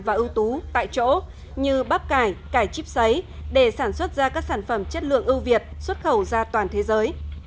và ưu tú tại chỗ như bắp cải chip giấy để sản xuất ra các sản phẩm chất lượng ưu việt xuất khẩu ra toàn thế giới